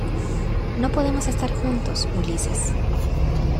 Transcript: no podemos estar juntos, Ulises